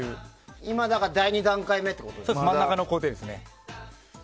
今、第２段階目ってことですね。